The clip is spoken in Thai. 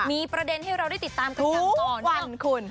มีประเด็นที่เราได้ติดตามกับคุณค่ะทุกวันคุณ